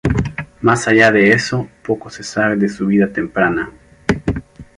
Más allá de eso, poco se sabe de su vida temprana.